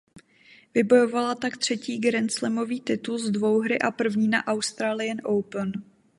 Vybojovala tak třetí grandslamový titul z dvouhry a první na Australian Open.